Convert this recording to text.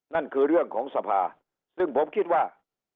นั่นคือเรื่องของสภาซึ่งผมคิดว่า